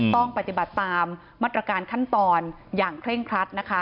ต้องปฏิบัติตามมาตรการขั้นตอนอย่างเคร่งครัดนะคะ